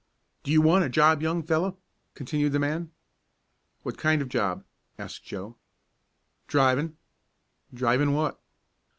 "Do you want a job, young fellow?" continued the man. "What kind of a job?" asked Joe. "Drivin'." "Drivin' what?"